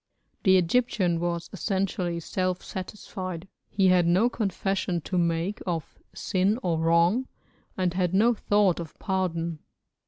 The Egyptian was essentially self satisfied, he had no confession to make of sin or wrong, and had no thought of pardon.